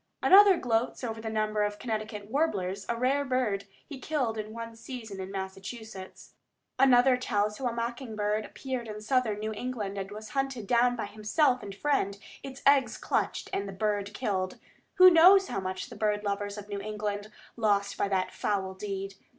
Another gloats over the number of Connecticut warblers a rare bird he killed in one season in Massachusetts. Another tells how a mocking bird appeared in southern New England and was hunted down by himself and friend, its eggs "clutched," and the bird killed. Who knows how much the bird lovers of New England lost by that foul deed?